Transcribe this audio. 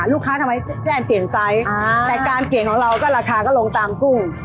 ลูกค้าทำให้แจ้งเปลี่ยนไซส์อ่าแต่การเปลี่ยนของเราก็ราคาก็ลงตามกุ้งอ๋อ